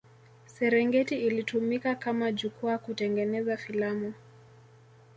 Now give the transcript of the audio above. Serengeti ilitumika kama jukwaa kutengeneza filamu